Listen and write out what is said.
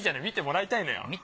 見てもらいたいのよ。